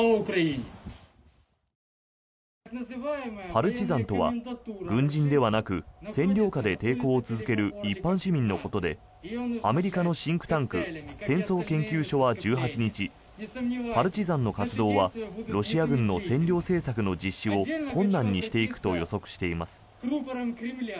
パルチザンとは軍人ではなく占領下で抵抗を続ける一般市民のことでアメリカのシンクタンク戦争研究所は１８日パルチザンの活動はロシア軍の占領政策の実施を困難にしていくと予測しています。